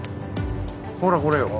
ほらこれよ。